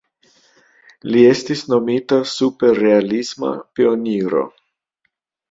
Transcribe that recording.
Li estis nomita "superrealisma pioniro".